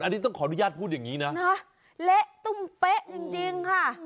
อันนี้ต้องขออนุญาตพูดอย่างนี้นะเละตุ้มเป๊ะจริงค่ะ